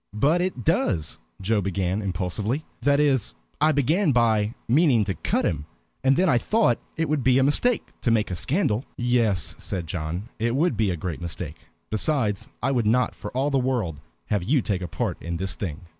"But it does" Joe began, impulsively. "That is, I began by meaning to cut him, and then I thought it would be a mistake to make a scandal." "Yes," said John, "it would be a great mistake. Besides, I would not for all the world have you take a part in this thing.